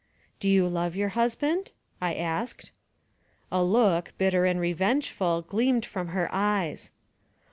" Do you love your husband ?" I asked. A look, bitter and revengeful, gleamed from her eyes.